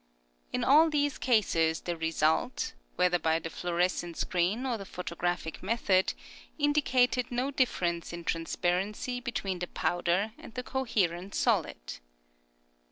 In all these cases the result, whether by the fluorescent screen or the photographic method, indi cated no difference in transparency between the powder and the coherent solid.